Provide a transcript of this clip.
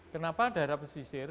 kenapa daerah pesisir